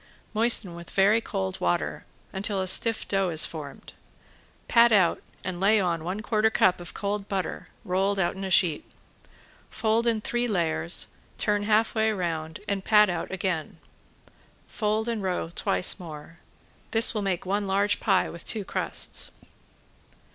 Moisten with very cold water until a stiff dough is formed. Pat out and lay on one quarter cup of cold butter rolled out in a sheet. Fold in three layers, turn half way round, and pat out again. Fold and roll twice more. This will make one large pie with two crusts.